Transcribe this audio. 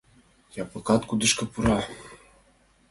Япыкат кудышко пура.